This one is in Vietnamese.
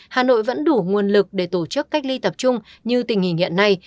hà nội vẫn đủ nguồn lực để tổ chức cách ly tập trung như tình hình hiện nay